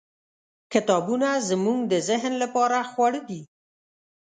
. کتابونه زموږ د ذهن لپاره خواړه دي.